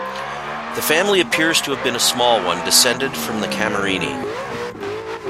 The family appears to have been a small one, descended from the Camerini.